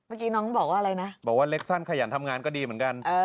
เมื่อกี้น้องบอกว่าอะไรนะบอกว่าเล็กสั้นขยันทำงานก็ดีเหมือนกัน